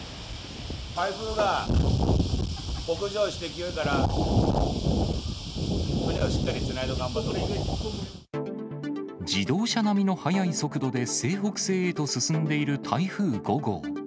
台風が北上してきよるから、自動車並みの速い速度で西北西へと進んでいる台風５号。